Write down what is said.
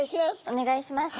お願いします。